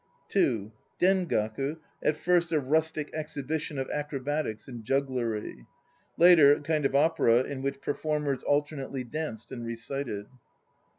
(2) Dengaku, at first a rustic exhibition of acrobatics and jugglery; later, a kind of opera in which performers alternately danced and recited.